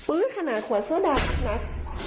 อุ๊ยขนาดขวาซอดามากนัก